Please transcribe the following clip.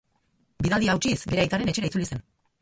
Bidaldia hautsiz bere aitaren etxera itzuli zen.